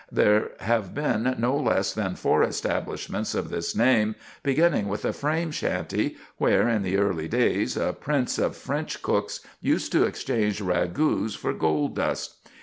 There have been no less than four establishments of this name, beginning with a frame shanty where, in the early days, a prince of French cooks used to exchange ragouts for gold dust.